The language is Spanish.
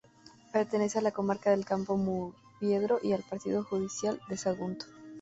Pertenece a la comarca del Campo de Murviedro y el partido judicial de Sagunto.